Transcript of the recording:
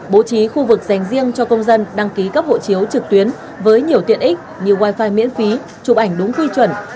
bố trí khu vực dành riêng cho công dân đăng ký cấp hộ chiếu trực tuyến với nhiều tiện ích như wifi miễn phí chụp ảnh đúng quy chuẩn